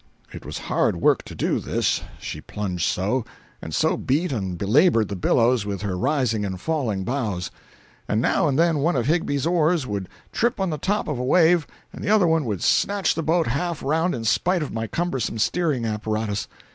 It was hard work to do this, she plunged so, and so beat and belabored the billows with her rising and falling bows. Now and then one of Higbie's oars would trip on the top of a wave, and the other one would snatch the boat half around in spite of my cumbersome steering apparatus.